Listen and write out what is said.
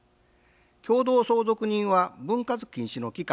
共同相続人は分割禁止の期間